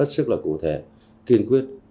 rất cụ thể kiên quyết